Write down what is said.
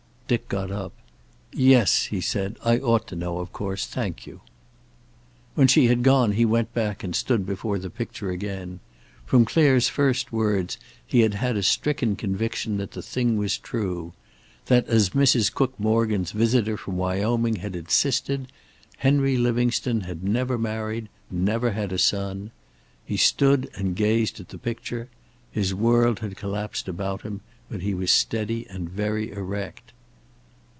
Dick got up. "Yes," he said. "I ought to know, of course. Thank you." When she had gone he went back and stood before the picture again. From Clare's first words he had had a stricken conviction that the thing was true; that, as Mrs. Cook Morgan's visitor from Wyoming had insisted, Henry Livingstone had never married, never had a son. He stood and gazed at the picture. His world had collapsed about him, but he was steady and very erect.